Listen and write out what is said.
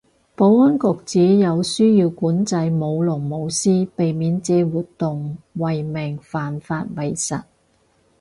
保安局指有需要管制舞龍舞獅，避免借活動為名犯法為實